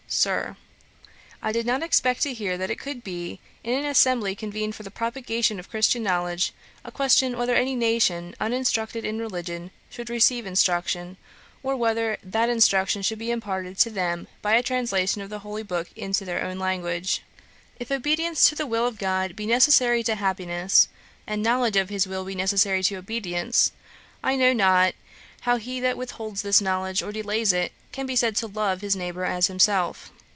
'SIR, 'I did not expect to hear that it could be, in an assembly convened for the propagation of Christian knowledge, a question whether any nation uninstructed in religion should receive instruction; or whether that instruction should be imparted to them by a translation of the holy books into their own language. If obedience to the will of God be necessary to happiness, and knowledge of his will be necessary to obedience, I know not how he that with holds this knowledge, or delays it, can be said to love his neighbour as himself.